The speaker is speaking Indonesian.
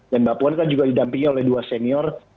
dan mbak puan kan juga didampingi oleh dua senior